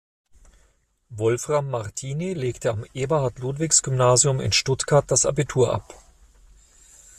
Wolfram Martini legte am Eberhard-Ludwigs-Gymnasium in Stuttgart das Abitur ab.